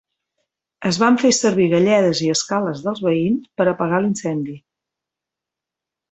Es van fer servir galledes i escales dels veïns per apagar l'incendi.